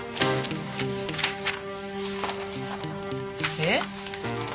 えっ！？